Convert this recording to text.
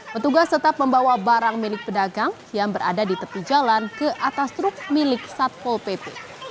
petugas tetap membawa barang milik pedagang yang berada di tepi jalan ke atas truk milik satpol pp